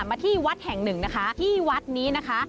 มาที่วัดแห่งหนึ่งนะคะที่วัดนี้นะคะ